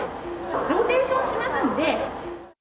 ローテーションしますので。